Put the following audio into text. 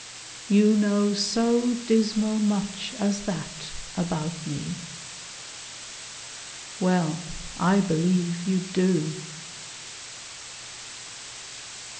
You know so dismal much As that about me? ... Well, I believe you do.